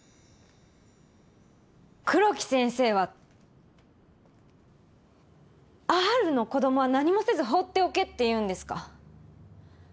黒木先生はＲの子供は何もせず放っておけっていうんですか。